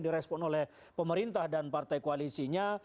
direspon oleh pemerintah dan partai koalisinya